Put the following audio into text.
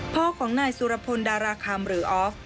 พ่อของนายสุรพนธรรมดาราคัมหรือออฟ